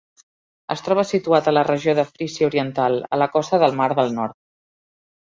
Es troba situat a la regió de Frisia Oriental, a la costa del Mar del Nord.